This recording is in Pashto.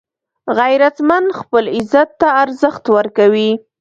غیرتمند خپل عزت ته ارزښت ورکوي